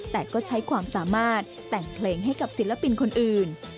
แต่ก็ใช้ความสามารถแต่งเพลงให้กับศิลปินคนอื่น